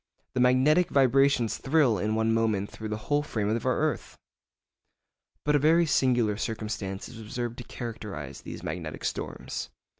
The magnetic vibrations thrill in one moment through the whole frame of our earth! But a very singular circumstance is observed to characterise these magnetic storms.